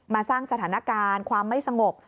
สร้างสถานการณ์ความไม่สงบ